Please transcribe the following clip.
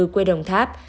quê đồng tháp